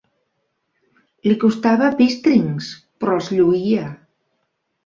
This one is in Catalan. Li costava pistrincs, però els lluïa.